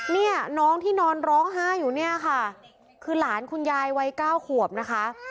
นี่น้องที่นอนร้องฮ่าอยู่นี่ค่ะคือหลานคุณยายวัย๙ขวบนะคะ